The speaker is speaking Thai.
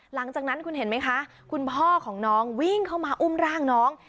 หลังจากนั้นคุณเห็นไหมคะคุณพ่อของน้องวิ่งเข้ามาอุ้มร่างน้อง